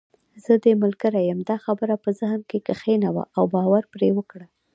زه دې ملګرې یم، دا خبره په ذهن کې کښېنوه او باور پرې وکړه.